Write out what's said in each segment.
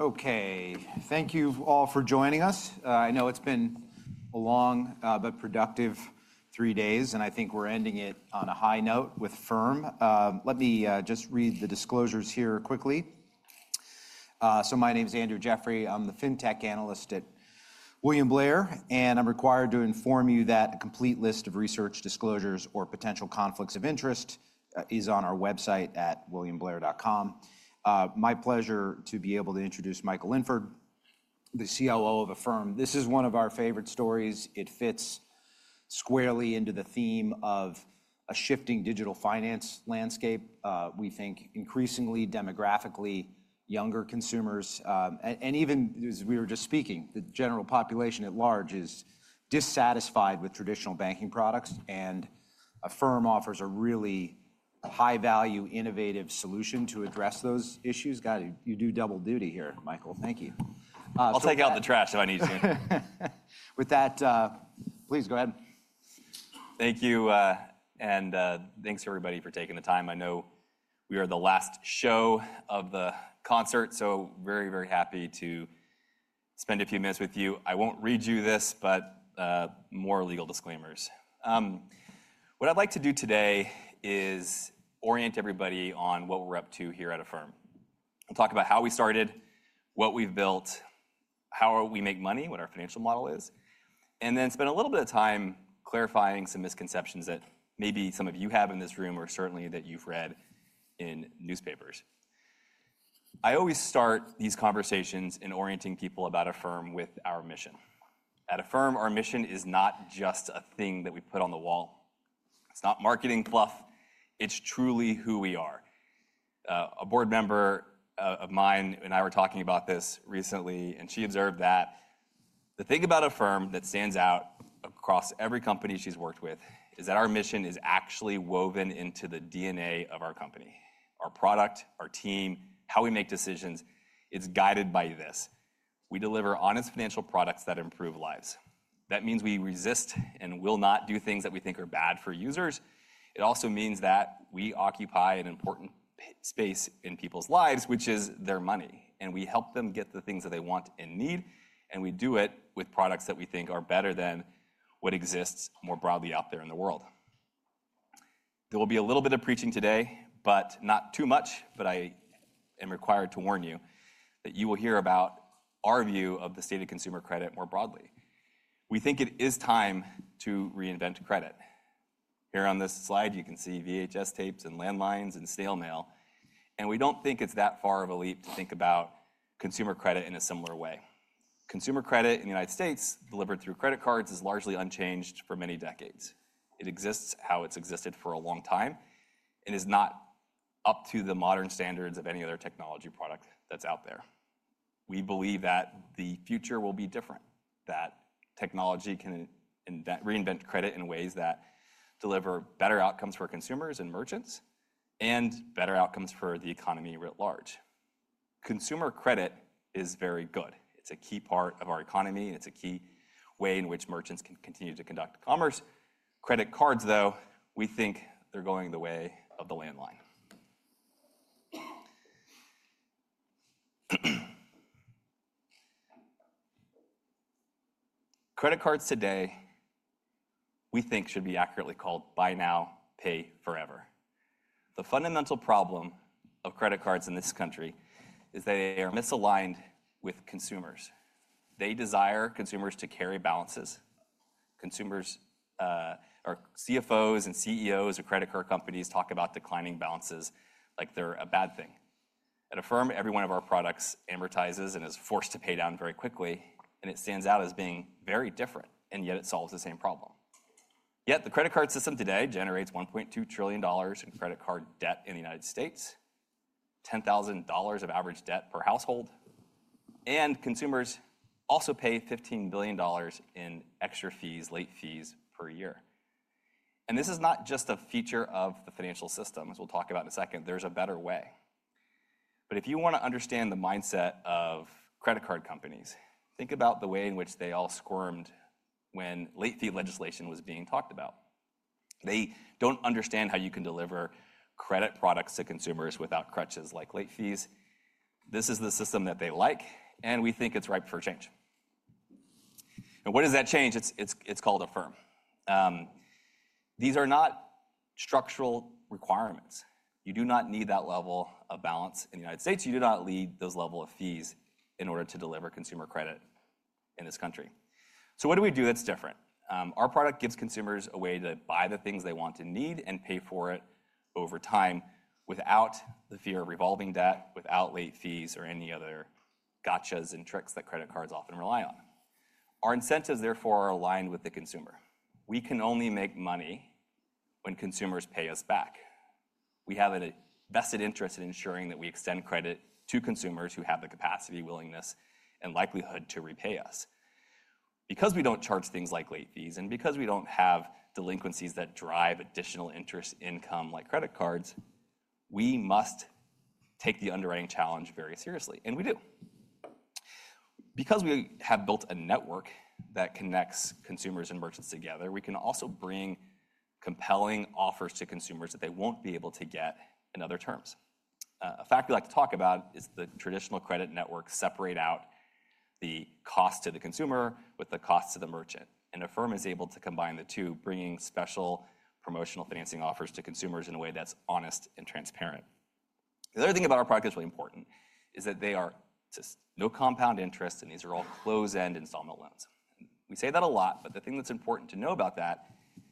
Okay, thank you all for joining us. I know it's been a long but productive three days, and I think we're ending it on a high note with Affirm. Let me just read the disclosures here quickly. My name is Andrew Jeffrey. I'm the Fintech Analyst at William Blair, and I'm required to inform you that a complete list of research disclosures or potential conflicts of interest is on our website at williamblair.com. My pleasure to be able to introduce Michael Linford, the COO of Affirm. This is one of our favorite stories. It fits squarely into the theme of a shifting digital finance landscape. We think increasingly demographically younger consumers, and even as we were just speaking, the general population at large is dissatisfied with traditional banking products, and Affirm offers a really high-value, innovative solution to address those issues. God, you do double duty here, Michael. Thank you. I'll take out the trash if I need to. With that, please go ahead. Thank you, and thanks to everybody for taking the time. I know we are the last show of the concert, so very, very happy to spend a few minutes with you. I will not read you this, but more legal disclaimers. What I would like to do today is orient everybody on what we are up to here at Affirm. I will talk about how we started, what we have built, how we make money, what our financial model is, and then spend a little bit of time clarifying some misconceptions that maybe some of you have in this room or certainly that you have read in newspapers. I always start these conversations in orienting people about Affirm with our mission. At Affirm, our mission is not just a thing that we put on the wall. It is not marketing fluff. It is truly who we are. A board member of mine and I were talking about this recently, and she observed that the thing about Affirm that stands out across every company she's worked with is that our mission is actually woven into the DNA of our company, our product, our team, how we make decisions. It's guided by this. We deliver honest financial products that improve lives. That means we resist and will not do things that we think are bad for users. It also means that we occupy an important space in people's lives, which is their money, and we help them get the things that they want and need, and we do it with products that we think are better than what exists more broadly out there in the world. There will be a little bit of preaching today, but not too much, but I am required to warn you that you will hear about our view of the state of consumer credit more broadly. We think it is time to reinvent credit. Here on this slide, you can see VHS tapes and landlines and snail mail, and we do not think it is that far of a leap to think about consumer credit in a similar way. Consumer credit in the United States, delivered through credit cards, is largely unchanged for many decades. It exists how it has existed for a long time and is not up to the modern standards of any other technology product that is out there. We believe that the future will be different, that technology can reinvent credit in ways that deliver better outcomes for consumers and merchants and better outcomes for the economy writ large. Consumer credit is very good. It's a key part of our economy, and it's a key way in which merchants can continue to conduct commerce. Credit cards, though, we think they're going the way of the landline. Credit cards today, we think, should be accurately called buy now, pay forever. The fundamental problem of credit cards in this country is that they are misaligned with consumers. They desire consumers to carry balances. CFOs and CEOs of credit card companies talk about declining balances like they're a bad thing. At Affirm, every one of our products amortizes and is forced to pay down very quickly, and it stands out as being very different, and yet it solves the same problem. Yet the credit card system today generates $1.2 trillion in credit card debt in the United States, $10,000 of average debt per household, and consumers also pay $15 billion in extra fees, late fees per year. This is not just a feature of the financial system, as we'll talk about in a second. There is a better way. If you want to understand the mindset of credit card companies, think about the way in which they all squirmed when late fee legislation was being talked about. They do not understand how you can deliver credit products to consumers without crutches like late fees. This is the system that they like, and we think it's ripe for change. What does that change? It's called Affirm. These are not structural requirements. You do not need that level of balance in the United States. You do not need those levels of fees in order to deliver consumer credit in this country. What do we do that is different? Our product gives consumers a way to buy the things they want and need and pay for it over time without the fear of revolving debt, without late fees or any other gotchas and tricks that credit cards often rely on. Our incentives, therefore, are aligned with the consumer. We can only make money when consumers pay us back. We have a vested interest in ensuring that we extend credit to consumers who have the capacity, willingness, and likelihood to repay us. Because we do not charge things like late fees and because we do not have delinquencies that drive additional interest income like credit cards, we must take the underwriting challenge very seriously, and we do. Because we have built a network that connects consumers and merchants together, we can also bring compelling offers to consumers that they won't be able to get in other terms. A fact we like to talk about is the traditional credit networks separate out the cost to the consumer with the cost to the merchant, and Affirm is able to combine the two, bringing special promotional financing offers to consumers in a way that's honest and transparent. The other thing about our product that's really important is that there is no compound interest, and these are all closed-end installment loans. We say that a lot, but the thing that's important to know about that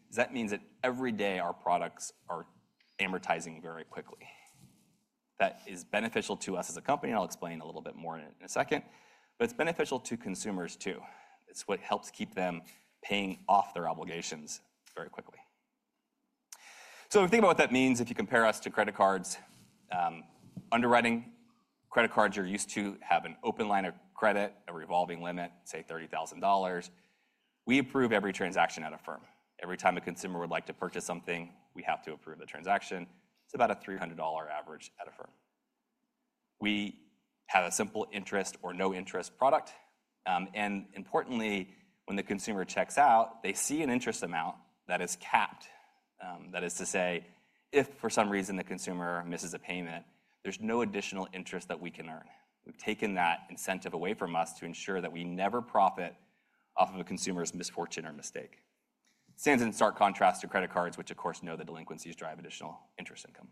is that means that every day our products are amortizing very quickly. That is beneficial to us as a company, and I'll explain a little bit more in a second, but it's beneficial to consumers too. It's what helps keep them paying off their obligations very quickly. Think about what that means if you compare us to credit cards. Underwriting credit cards, you're used to having an open line of credit, a revolving limit, say $30,000. We approve every transaction at Affirm. Every time a consumer would like to purchase something, we have to approve the transaction. It's about a $300 average at Affirm. We have a simple interest or no interest product. Importantly, when the consumer checks out, they see an interest amount that is capped. That is to say, if for some reason the consumer misses a payment, there's no additional interest that we can earn. We've taken that incentive away from us to ensure that we never profit off of a consumer's misfortune or mistake. It stands in stark contrast to credit cards, which, of course, know that delinquencies drive additional interest income.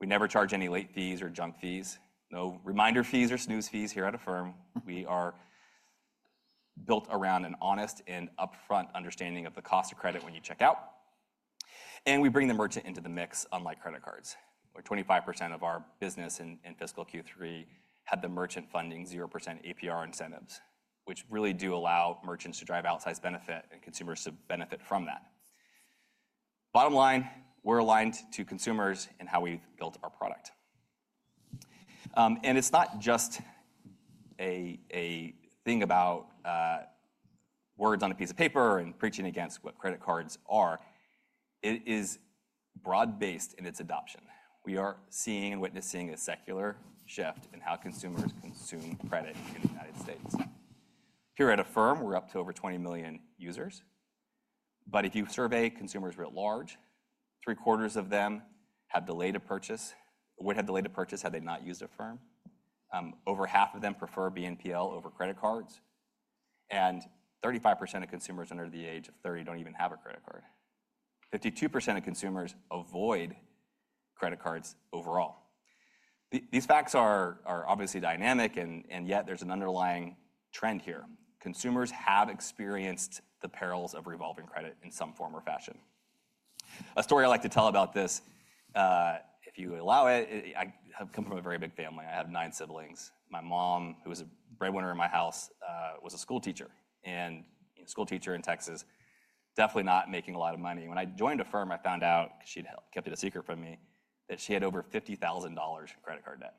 We never charge any late fees or junk fees, no reminder fees or snooze fees here at Affirm. We are built around an honest and upfront understanding of the cost of credit when you check out, and we bring the merchant into the mix, unlike credit cards. 25% of our business in fiscal Q3 had the merchant funding 0% APR incentives, which really do allow merchants to drive outsized benefit and consumers to benefit from that. Bottom line, we're aligned to consumers in how we've built our product. It's not just a thing about words on a piece of paper and preaching against what credit cards are. It is broad-based in its adoption. We are seeing and witnessing a secular shift in how consumers consume credit in the United States. Here at Affirm, we're up to over 20 million users. If you survey consumers writ large, 3/4 of them would have delayed a purchase had they not used Affirm. Over half of them prefer BNPL over credit cards, and 35% of consumers under the age of 30 do not even have a credit card. 52% of consumers avoid credit cards overall. These facts are obviously dynamic, and yet there's an underlying trend here. Consumers have experienced the perils of revolving credit in some form or fashion. A story I like to tell about this, if you allow it, I come from a very big family. I have nine siblings. My mom, who was a breadwinner in my house, was a schoolteacher, and a schoolteacher in Texas, definitely not making a lot of money. When I joined Affirm, I found out, because she'd kept it a secret from me, that she had over $50,000 in credit card debt.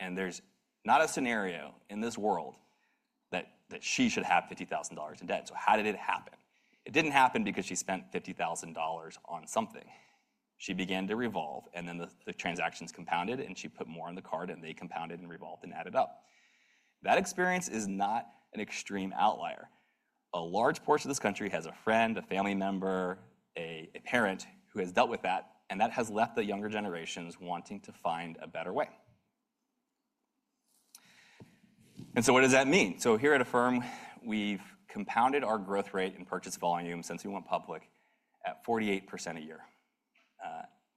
And there's not a scenario in this world that she should have $50,000 in debt. How did it happen? It did not happen because she spent $50,000 on something. She began to revolve, and then the transactions compounded, and she put more on the card, and they compounded and revolved and added up. That experience is not an extreme outlier. A large portion of this country has a friend, a family member, a parent who has dealt with that, and that has left the younger generations wanting to find a better way. What does that mean? Here at Affirm, we've compounded our growth rate and purchase volume since we went public at 48% a year.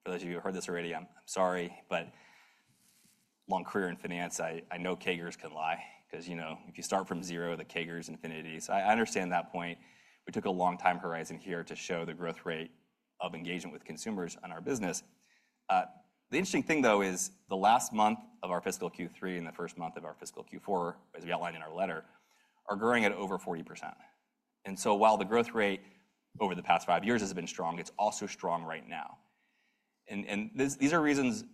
For those of you who have heard this already, I'm sorry, but long career in finance, I know keggers can lie because if you start from zero, the kegger's infinity. I understand that point. We took a long time horizon here to show the growth rate of engagement with consumers on our business. The interesting thing, though, is the last month of our fiscal Q3 and the first month of our fiscal Q4, as we outlined in our letter, are growing at over 40%. While the growth rate over the past five years has been strong, it's also strong right now. These are reasons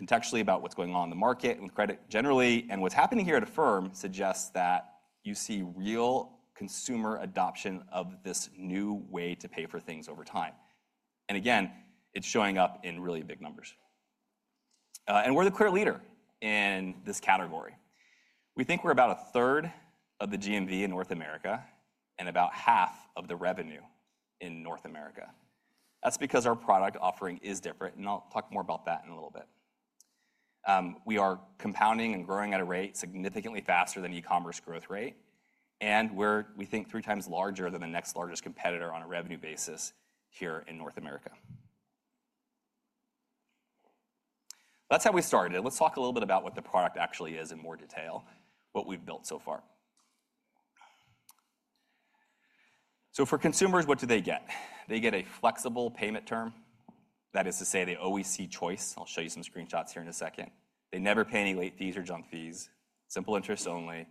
contextually about what's going on in the market with credit generally, and what's happening here at Affirm suggests that you see real consumer adoption of this new way to pay for things over time. Again, it's showing up in really big numbers. We're the clear leader in this category. We think we're about a third of the GMV in North America and about half of the revenue in North America. That's because our product offering is different, and I'll talk more about that in a little bit. We are compounding and growing at a rate significantly faster than the e-commerce growth rate, and we think we're three times larger than the next largest competitor on a revenue basis here in North America. That's how we started. Let's talk a little bit about what the product actually is in more detail, what we've built so far. For consumers, what do they get? They get a flexible payment term. That is to say, they always see choice. I'll show you some screenshots here in a second. They never pay any late fees or junk fees, simple interest only,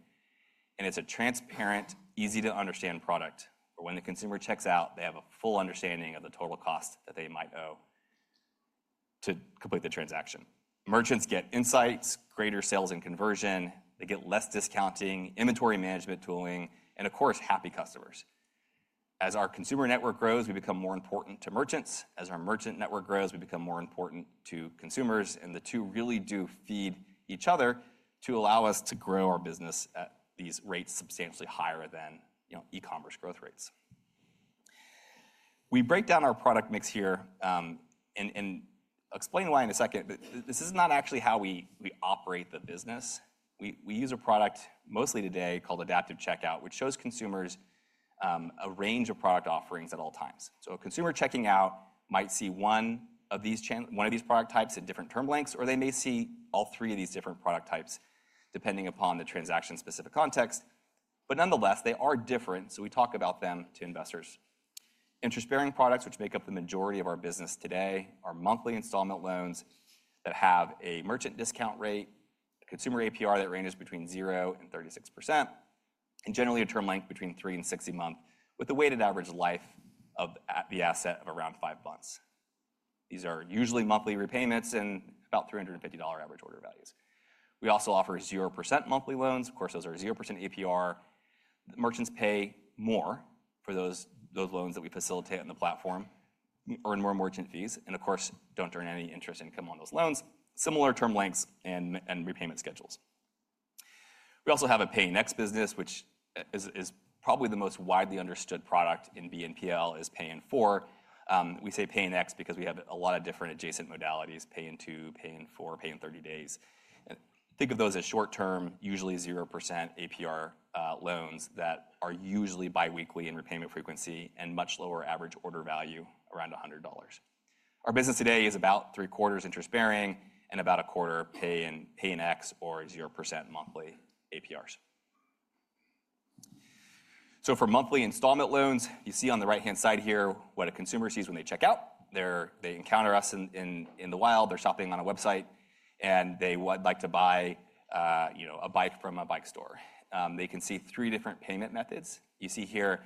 and it's a transparent, easy-to-understand product where when the consumer checks out, they have a full understanding of the total cost that they might owe to complete the transaction. Merchants get insights, greater sales and conversion. They get less discounting, inventory management tooling, and of course, happy customers. As our consumer network grows, we become more important to merchants. As our merchant network grows, we become more important to consumers, and the two really do feed each other to allow us to grow our business at these rates substantially higher than e-commerce growth rates. We break down our product mix here and explain why in a second, but this is not actually how we operate the business. We use a product mostly today called Adaptive Checkout, which shows consumers a range of product offerings at all times. A consumer checking out might see one of these product types at different term lengths, or they may see all three of these different product types depending upon the transaction-specific context. Nonetheless, they are different, so we talk about them to investors. Interest-bearing products, which make up the majority of our business today, are monthly installment loans that have a merchant discount rate, a consumer APR that ranges between 0% and 36%, and generally a term length between three and 60 months with a weighted average life of the asset of around five months. These are usually monthly repayments and about $350 average order values. We also offer 0% monthly loans. Of course, those are 0% APR. Merchants pay more for those loans that we facilitate on the platform, earn more merchant fees, and of course, do not earn any interest income on those loans. Similar term lengths and repayment schedules. We also have a pay next business, which is probably the most widely understood product in BNPL, is pay in four. We say pay next because we have a lot of different adjacent modalities: pay in two, pay in four, pay in 30 days. Think of those as short-term, usually 0% APR loans that are usually biweekly in repayment frequency and much lower average order value, around $100. Our business today is about 3/4 interest-bearing and about a quarter pay in X or 0% monthly APRs. For monthly installment loans, you see on the right-hand side here what a consumer sees when they check out. They encounter us in the wild. They're shopping on a website, and they would like to buy a bike from a bike store. They can see three different payment methods. You see here,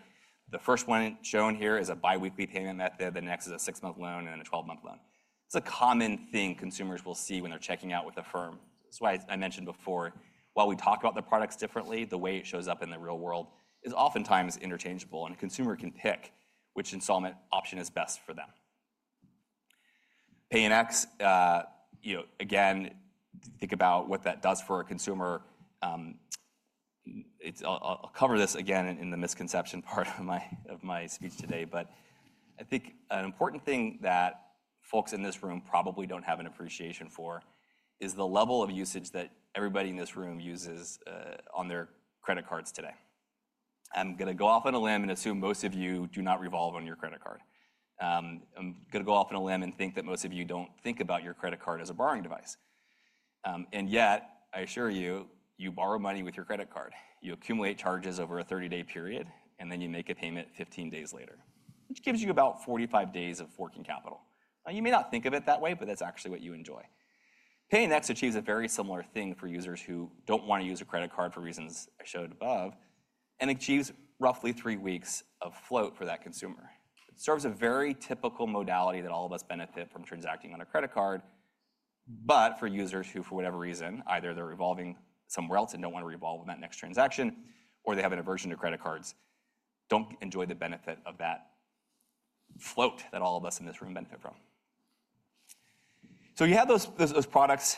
the first one shown here is a biweekly payment method. The next is a six-month loan and then a 12-month loan. It's a common thing consumers will see when they're checking out with Affirm. That's why I mentioned before, while we talk about the products differently, the way it shows up in the real world is oftentimes interchangeable, and a consumer can pick which installment option is best for them. Pay in X, again, think about what that does for a consumer. I'll cover this again in the misconception part of my speech today, but I think an important thing that folks in this room probably don't have an appreciation for is the level of usage that everybody in this room uses on their credit cards today. I'm going to go off on a limb and assume most of you do not revolve on your credit card. I'm going to go out on a limb and think that most of you don't think about your credit card as a borrowing device. Yet, I assure you, you borrow money with your credit card. You accumulate charges over a 30-day period, and then you make a payment 15 days later, which gives you about 45 days of working capital. Now, you may not think of it that way, but that's actually what you enjoy. Pay next achieves a very similar thing for users who don't want to use a credit card for reasons I showed above and achieves roughly three weeks of float for that consumer. It serves a very typical modality that all of us benefit from transacting on a credit card, but for users who, for whatever reason, either they're revolving somewhere else and don't want to revolve on that next transaction, or they have an aversion to credit cards, don't enjoy the benefit of that float that all of us in this room benefit from. You have those products.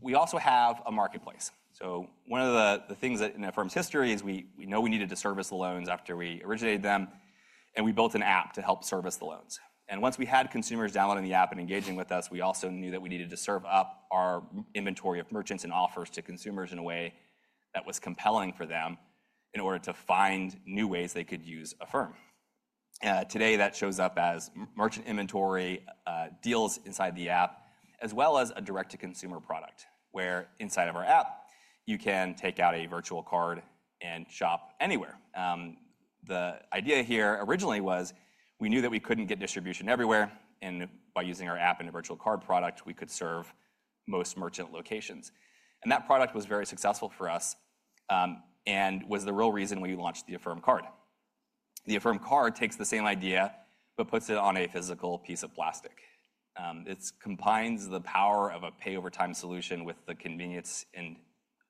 We also have a marketplace. One of the things in Affirm's history is we know we needed to service the loans after we originated them, and we built an app to help service the loans. Once we had consumers downloading the app and engaging with us, we also knew that we needed to serve up our inventory of merchants and offers to consumers in a way that was compelling for them in order to find new ways they could use Affirm. Today, that shows up as merchant inventory, deals inside the app, as well as a direct-to-consumer product where inside of our app, you can take out a virtual card and shop anywhere. The idea here originally was we knew that we could not get distribution everywhere, and by using our app and a virtual card product, we could serve most merchant locations. That product was very successful for us and was the real reason we launched the Affirm Card. The Affirm Card takes the same idea but puts it on a physical piece of plastic. It combines the power of a pay-over-time solution with the convenience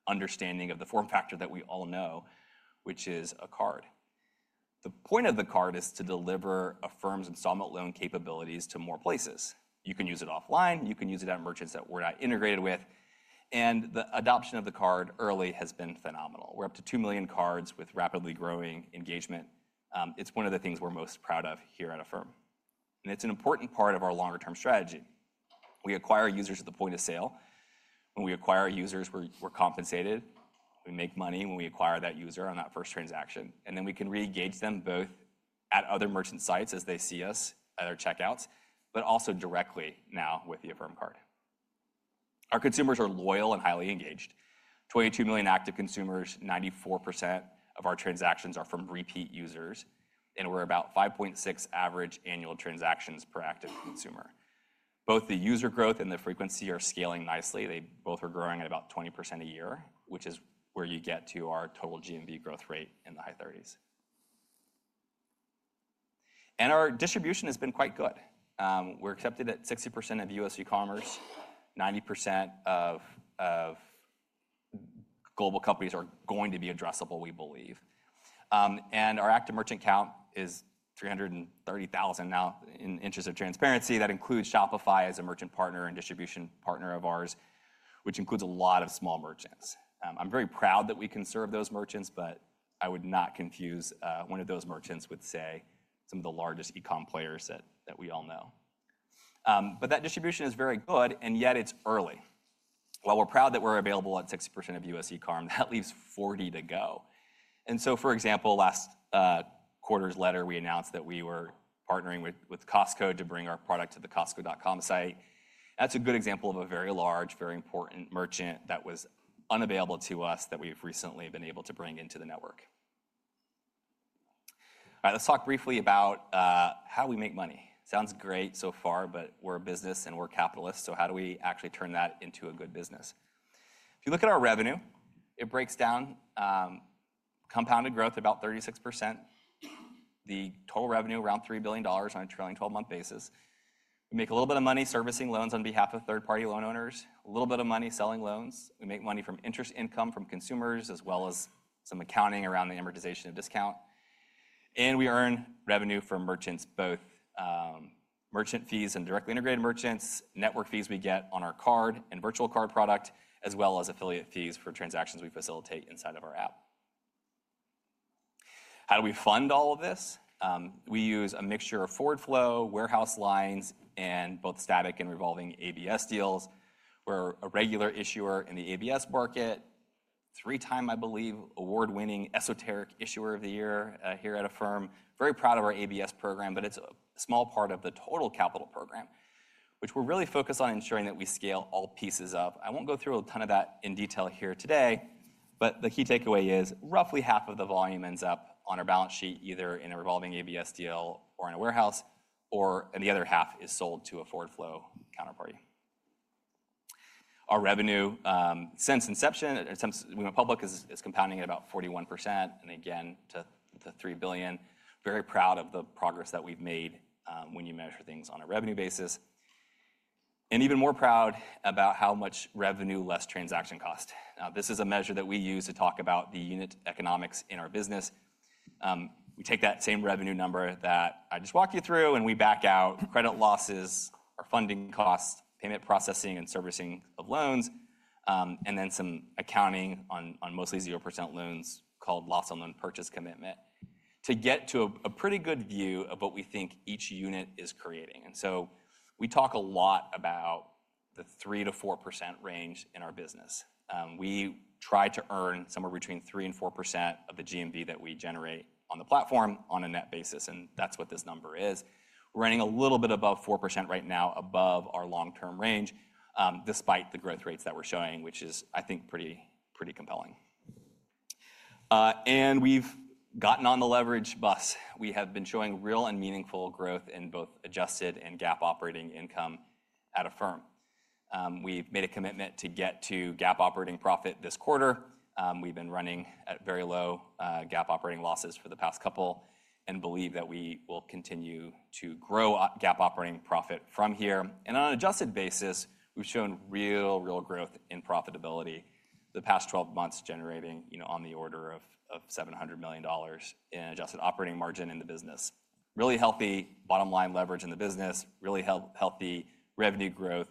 and understanding of the form factor that we all know, which is a card. The point of the card is to deliver Affirm's installment loan capabilities to more places. You can use it offline. You can use it at merchants that we're not integrated with. The adoption of the card early has been phenomenal. We're up to 2 million cards with rapidly growing engagement. It's one of the things we're most proud of here at Affirm. It's an important part of our longer-term strategy. We acquire users at the point of sale. When we acquire users, we're compensated. We make money when we acquire that user on that first transaction. We can re-engage them both at other merchant sites as they see us at our checkouts, but also directly now with the Affirm Card. Our consumers are loyal and highly engaged. 22 million active consumers, 94% of our transactions are from repeat users, and we are at about 5.6 average annual transactions per active consumer. Both the user growth and the frequency are scaling nicely. They both are growing at about 20% a year, which is where you get to our total GMV growth rate in the high 30s. Our distribution has been quite good. We are accepted at 60% of U.S. e-commerce. 90% of global companies are going to be addressable, we believe. Our active merchant count is 330,000 now. In interest of transparency, that includes Shopify as a merchant partner and distribution partner of ours, which includes a lot of small merchants. I'm very proud that we can serve those merchants, but I would not confuse one of those merchants with, say, some of the largest e-comm players that we all know. That distribution is very good, yet it's early. While we're proud that we're available at 60% of U.S. e-comm, that leaves 40% to go. For example, last quarter's letter, we announced that we were partnering with Costco to bring our product to the costco.com site. That's a good example of a very large, very important merchant that was unavailable to us that we've recently been able to bring into the network. All right, let's talk briefly about how we make money. Sounds great so far, but we're a business and we're capitalists, so how do we actually turn that into a good business? If you look at our revenue, it breaks down compounded growth at about 36%, the total revenue around $3 billion on a trailing 12-month basis. We make a little bit of money servicing loans on behalf of third-party loan owners, a little bit of money selling loans. We make money from interest income from consumers as well as some accounting around the amortization of discount. We earn revenue from merchants, both merchant fees and directly integrated merchants, network fees we get on our card and virtual card product, as well as affiliate fees for transactions we facilitate inside of our app. How do we fund all of this? We use a mixture of forward flow, warehouse lines, and both static and revolving ABS deals. We're a regular issuer in the ABS market, three-time, I believe, award-winning esoteric issuer of the year here at Affirm. Very proud of our ABS program, but it's a small part of the total capital program, which we're really focused on ensuring that we scale all pieces of. I won't go through a ton of that in detail here today. The key takeaway is roughly half of the volume ends up on our balance sheet, either in a revolving ABS deal or in a warehouse, or the other half is sold to a forward flow counterparty. Our revenue since inception, we went public, is compounding at about 41% and again to $3 billion. Very proud of the progress that we've made when you measure things on a revenue basis. Even more proud about how much revenue less transaction cost. This is a measure that we use to talk about the unit economics in our business. We take that same revenue number that I just walked you through, and we back out credit losses, our funding costs, payment processing, and servicing of loans, and then some accounting on mostly 0% loans called loss on loan purchase commitment to get to a pretty good view of what we think each unit is creating. We talk a lot about the 3%-4% range in our business. We try to earn somewhere between 3% and 4% of the GMV that we generate on the platform on a net basis, and that's what this number is. We're running a little bit above 4% right now above our long-term range, despite the growth rates that we're showing, which is, I think, pretty compelling. We have gotten on the leverage bus. We have been showing real and meaningful growth in both adjusted and GAAP operating income at Affirm. We've made a commitment to get to GAAP operating profit this quarter. We've been running at very low GAAP operating losses for the past couple and believe that we will continue to grow GAAP operating profit from here. On an adjusted basis, we've shown real, real growth in profitability the past 12 months, generating on the order of $700 million in adjusted operating margin in the business. Really healthy bottom line leverage in the business, really healthy revenue growth,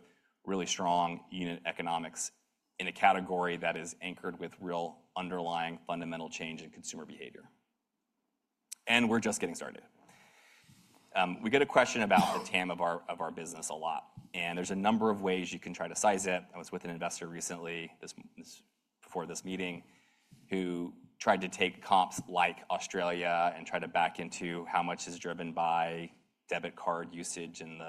really strong unit economics in a category that is anchored with real underlying fundamental change in consumer behavior. We're just getting started. We get a question about the TAM of our business a lot, and there's a number of ways you can try to size it. I was with an investor recently before this meeting who tried to take comps like Australia and tried to back into how much is driven by debit card usage in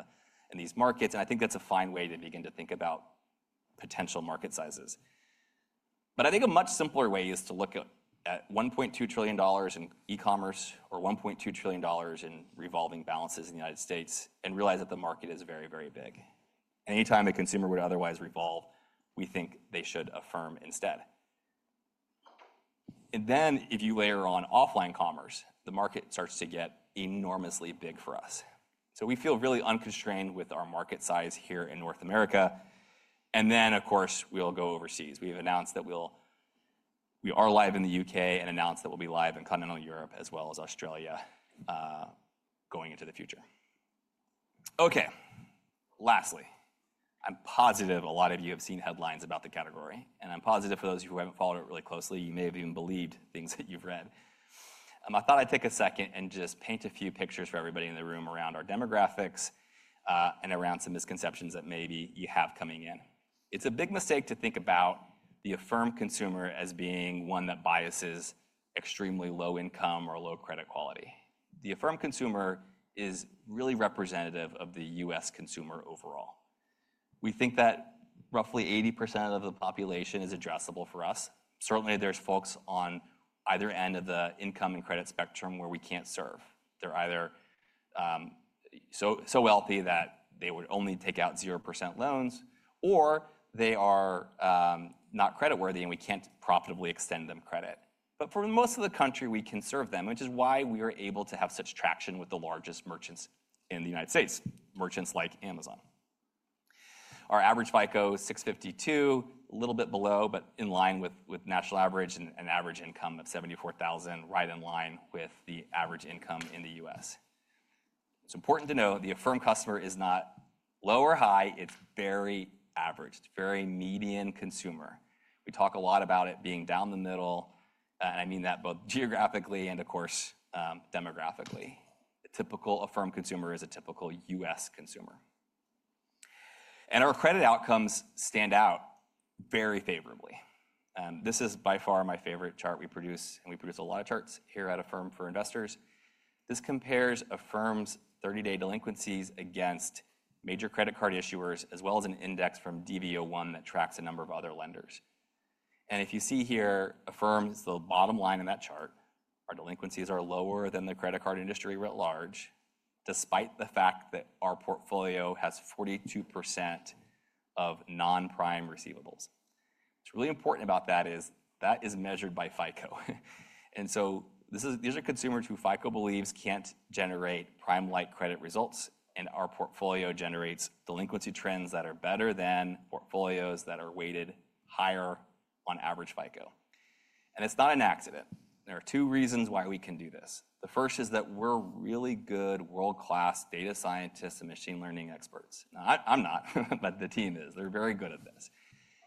these markets. I think that's a fine way to begin to think about potential market sizes. I think a much simpler way is to look at $1.2 trillion in e-commerce or $1.2 trillion in revolving balances in the United States and realize that the market is very, very big. Anytime a consumer would otherwise revolve, we think they should Affirm instead. If you layer on offline commerce, the market starts to get enormously big for us. We feel really unconstrained with our market size here in North America. Of course, we'll go overseas. We have announced that we are live in the U.K. and announced that we'll be live in continental Europe as well as Australia going into the future. Okay, lastly, I'm positive a lot of you have seen headlines about the category, and I'm positive for those who haven't followed it really closely, you may have even believed things that you've read. I thought I'd take a second and just paint a few pictures for everybody in the room around our demographics and around some misconceptions that maybe you have coming in. It's a big mistake to think about the Affirm consumer as being one that biases extremely low income or low credit quality. The Affirm consumer is really representative of the U.S. consumer overall. We think that roughly 80% of the population is addressable for us. Certainly, there's folks on either end of the income and credit spectrum where we can't serve. They're either so wealthy that they would only take out 0% loans, or they are not creditworthy and we can't profitably extend them credit. For most of the country, we can serve them, which is why we are able to have such traction with the largest merchants in the United States, merchants like Amazon. Our average FICO is 652, a little bit below, but in line with national average and average income of $74,000, right in line with the average income in the U.S. It's important to note the Affirm customer is not low or high. It's very average. It's very median consumer. We talk a lot about it being down the middle, and I mean that both geographically and, of course, demographically. A typical Affirm consumer is a typical U.S. consumer. Our credit outcomes stand out very favorably. This is by far my favorite chart we produce, and we produce a lot of charts here at Affirm for investors. This compares Affirm's 30-day delinquencies against major credit card issuers, as well as an index from DV01 that tracks a number of other lenders. If you see here, Affirm's the bottom line in that chart, our delinquencies are lower than the credit card industry writ large, despite the fact that our portfolio has 42% of non-prime receivables. What's really important about that is that is measured by FICO. These are consumers who FICO believes cannot generate prime-like credit results, and our portfolio generates delinquency trends that are better than portfolios that are weighted higher on average FICO. It's not an accident. There are two reasons why we can do this. The first is that we're really good world-class data scientists and machine learning experts. Now, I'm not, but the team is. They're very good at this.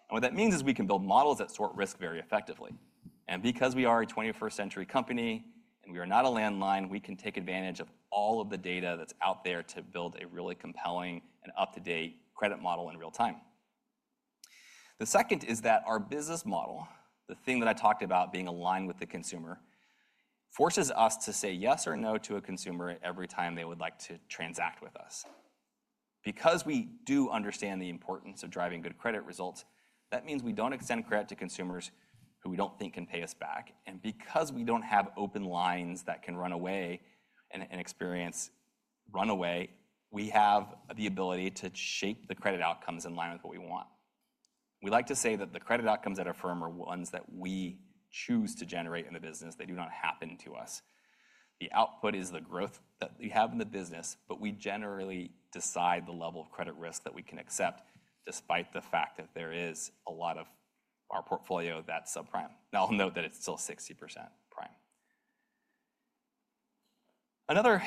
What that means is we can build models that sort risk very effectively. Because we are a 21st-century company and we are not a landline, we can take advantage of all of the data that's out there to build a really compelling and up-to-date credit model in real time. The second is that our business model, the thing that I talked about being aligned with the consumer, forces us to say yes or no to a consumer every time they would like to transact with us. Because we do understand the importance of driving good credit results, that means we don't extend credit to consumers who we don't think can pay us back. Because we do not have open lines that can run away and experience runaway, we have the ability to shape the credit outcomes in line with what we want. We like to say that the credit outcomes at our firm are ones that we choose to generate in the business. They do not happen to us. The output is the growth that we have in the business, but we generally decide the level of credit risk that we can accept despite the fact that there is a lot of our portfolio that is subprime. Now, I'll note that it is still 60% prime. Another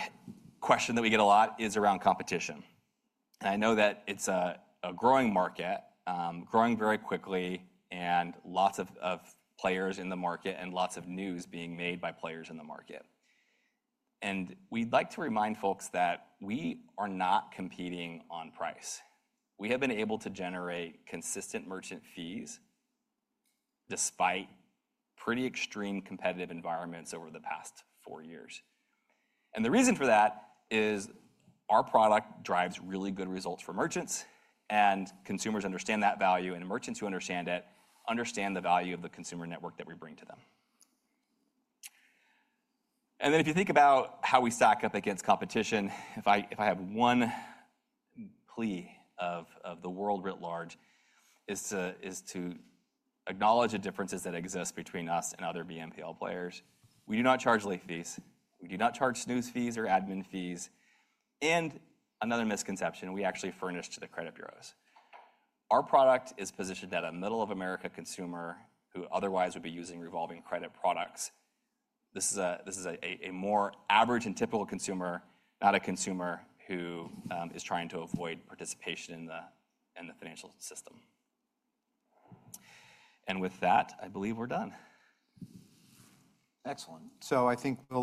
question that we get a lot is around competition. I know that it is a growing market, growing very quickly, and lots of players in the market and lots of news being made by players in the market. We'd like to remind folks that we are not competing on price. We have been able to generate consistent merchant fees despite pretty extreme competitive environments over the past four years. The reason for that is our product drives really good results for merchants, and consumers understand that value, and merchants who understand it understand the value of the consumer network that we bring to them. If you think about how we stack up against competition, if I have one plea of the world writ large, it is to acknowledge the differences that exist between us and other BNPL players. We do not charge late fees. We do not charge snooze fees or admin fees. Another misconception, we actually furnish to the credit bureaus. Our product is positioned at a middle of America consumer who otherwise would be using revolving credit products. This is a more average and typical consumer, not a consumer who is trying to avoid participation in the financial system. With that, I believe we're done. Excellent. I think with.